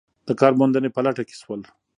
د کار موندنې په لټه کې شول.